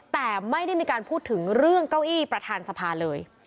แต่ไม่ได้มีการพูดถึงเรื่องเก้าอี้ประธานสภาเลย